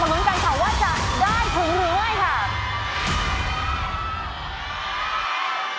พรอดิชันกับ